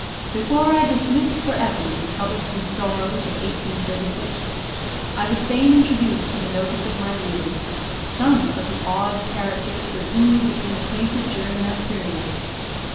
Before I dismiss for ever the troubles and sorrows of 1836, I would fain introduce to the notice of my readers some of the odd characters with whom we became acquainted during that period.